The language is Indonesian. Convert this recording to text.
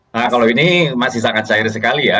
nah kalau ini masih sangat cair sekali ya